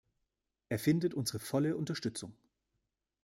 Er findet unsere volle Unterstützung.